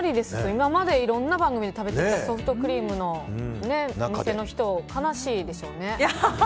今までいろんな番組で食べてきたソフトクリームのお店の人、悲しいでしょうね。